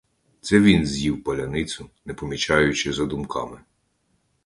Це він з'їв паляницю, не помічаючи за думками.